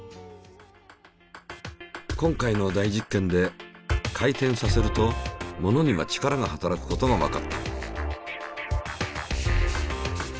今回の大実験で回転させるとものには力が働くことがわかった。